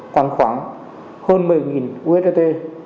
khoảng khoảng hơn một mươi usdt